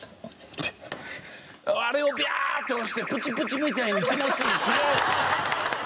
あれをビャーッて押してプチプチみたいに気持ちいい。